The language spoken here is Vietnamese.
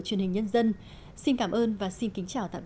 truyền hình nhân dân xin cảm ơn và xin kính chào tạm biệt